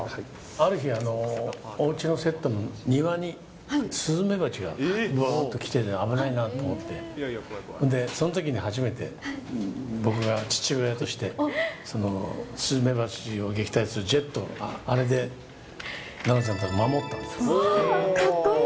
ある日、おうちのセットに、庭にスズメバチがぶーんって来てて、危ないなと思って、で、そのときに初めて、僕が父親としてそのスズメバチを撃退するジェットを、かっこいい。